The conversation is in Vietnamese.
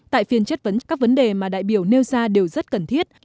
tại phiên chất vấn các vấn đề mà đại biểu nêu ra đều rất cần thiết